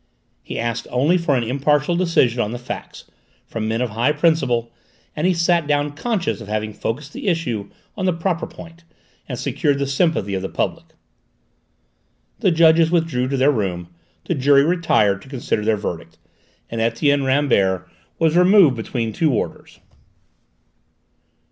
He asked only for an impartial decision on the facts, from men of high principle, and he sat down conscious of having focussed the issue on the proper point and secured the sympathy of the public. The judges withdrew to their room, the jury retired to consider their verdict, and Etienne Rambert was removed between two warders.